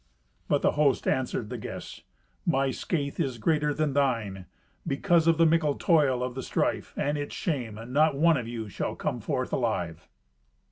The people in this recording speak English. But the host answered the guests, "My scathe is greater than thine; because of the mickle toil of the strife, and its shame, not one of you shall come forth alive."